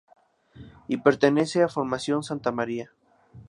Y pertenece a Formación Santa Maria.